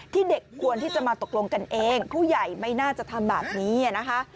เด็กควรที่จะมาตกลงกันเองผู้ใหญ่ไม่น่าจะทำแบบนี้นะคะ